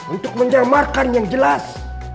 untuk menyamarkan yang jelas